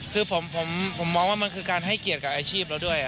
คือผมมองว่ามันคือการให้เกียรติกับอาชีพเราด้วย